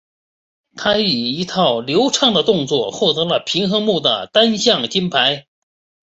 她以一套流畅的动作获得了平衡木的单项金牌。